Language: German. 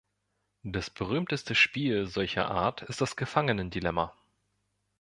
Das berühmteste Spiel solcher Art ist das Gefangenendilemma.